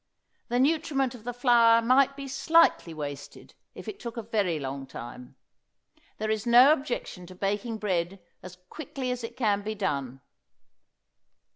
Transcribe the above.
The nutriment of the flour might be slightly wasted if it took a very long time. There is no objection to baking bread as quickly as it can be done.